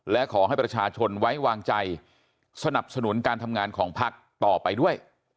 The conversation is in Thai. และขอให้ประชาชนไว้วางใจสนับสนุนการทำงานของพักต่อไปด้วย